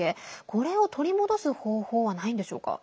これを取り戻す方法はないんでしょうか。